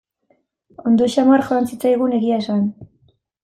Ondo samar joan zitzaigun, egia esan.